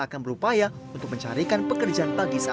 kalau bukan rumahnya dia bisa ikut di geriawerda